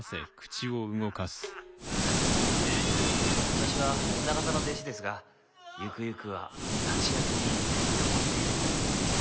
私は女形の弟子ですがゆくゆくは立役になりたいと思っている。